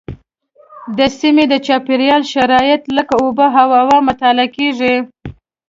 د سیمې د چاپیریال شرایط لکه اوبه او هوا مطالعه کېږي.